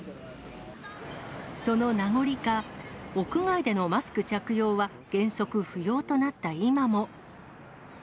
その名残か、屋外でのマスク着用は原則不要となった今も。